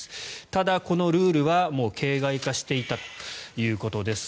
ただ、このルールはもう形骸化していたということです。